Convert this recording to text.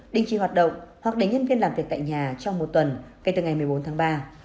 đình chỉ hoạt động hoặc để nhân viên làm việc tại nhà trong một tuần kể từ ngày một mươi bốn tháng ba